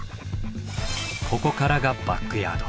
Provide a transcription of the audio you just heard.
ここからがバックヤード。